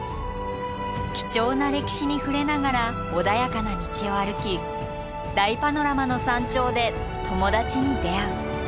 貴重な歴史に触れながら穏やかな道を歩き大パノラマの山頂で友達に出会う。